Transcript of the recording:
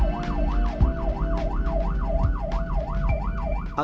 dia sudah berusaha untuk menjaga kekuatan